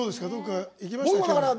どこか行きました？